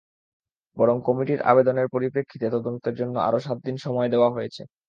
বরং কমিটির আবেদনের পরিপ্রেক্ষিতে তদন্তের জন্য আরও সাত দিন সময় দেওয়া হয়েছে।